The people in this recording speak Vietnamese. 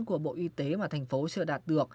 của bộ y tế mà thành phố chưa đạt được